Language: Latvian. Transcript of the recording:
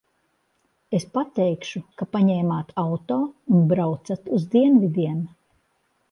Es pateikšu, ka paņēmāt auto un braucat uz dienvidiem.